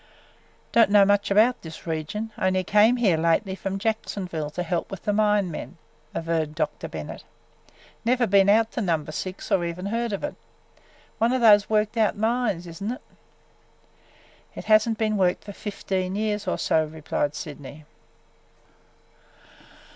"Don't know much about this region; only came here lately from Jacksonville to help with the mine men," averred Dr. Bennett. "Never been out to Number Six or even heard of it. One of those worked out mines, is n't it?" "It has n't been worked for fifteen years or so," replied Sydney.